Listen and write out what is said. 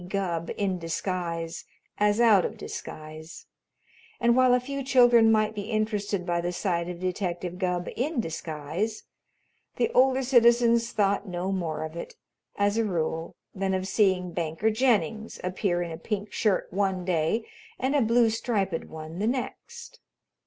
Gubb in disguise as out of disguise, and while a few children might be interested by the sight of Detective Gubb in disguise, the older citizens thought no more of it, as a rule, than of seeing Banker Jennings appear in a pink shirt one day and a blue striped one the next.